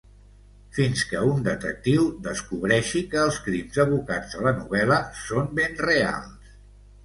Fins que un detectiu descobreixi que els crims evocats a la novel·la són ben reals.